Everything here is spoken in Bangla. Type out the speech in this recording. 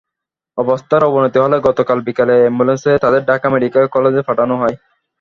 অবস্থার অবনতি হলে গতকাল বিকেলে অ্যাম্বুলেন্সে তাঁদের ঢাকা মেডিকেল কলেজে পাঠানো হয়।